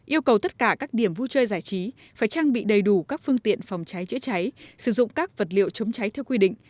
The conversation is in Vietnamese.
yêu cầu tất cả các điểm vui chơi giải trí phải trang bị đầy đủ các phương tiện phòng cháy chữa cháy sử dụng các vật liệu chống cháy theo quy định